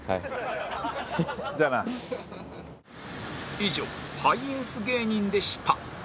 以上ハイエース芸人でした